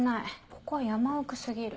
ここは山奥過ぎる。